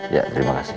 iya terima kasih